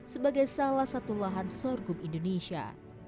sebagai salah satu lahan sorghum indonesia